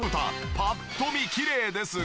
ぱっと見きれいですが。